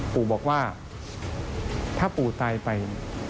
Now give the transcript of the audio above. ปู่บอกว่าถ้าปู่ตายไป